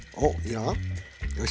よし。